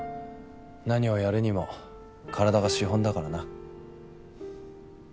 何をやるにも体が資本だからな。